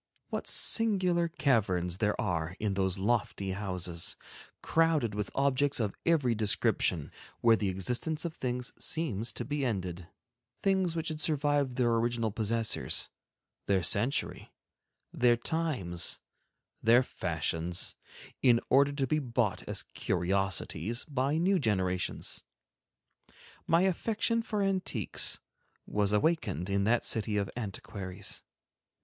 What singular caverns there are in those lofty houses, crowded with objects of every description, where the existence of things seems to be ended, things which have survived their original possessors, their century, their times, their fashions, in order to be bought as curiosities by new generations. My affection for antiques was awakened in that city of antiquaries.